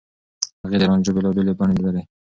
هغې د رانجو بېلابېلې بڼې ليدلي.